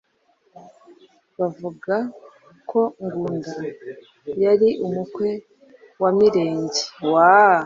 Bavuga ko Ngunda yari umukwe wa Mirenge,